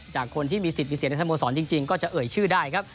จากคนที่มีสิทธิ์มีเสียงที่ถามโม่นสอนจริงก็จะเอ่ยชื่อได้